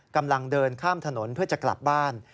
กำลังเดินข้ามถนนเพื่อจะกลับบ้าน